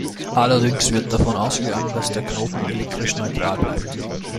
Allerdings wird davon ausgegangen, dass der Knoten elektrisch neutral bleibt.